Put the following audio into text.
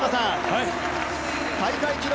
大会記録